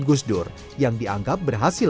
gus dur yang dianggap berhasil